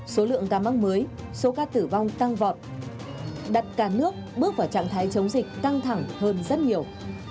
số lượng ca mắc mới số ca tử vong tăng vọt đặt cả nước bước vào trạng thái chống dịch căng thẳng hơn rất nhiều